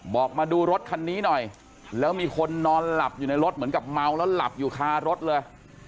บอกมาดูรถคันนี้หน่อยแล้วมีคนนอนหลับอยู่ในรถเหมือนกับเมาแล้วหลับอยู่คารถเลย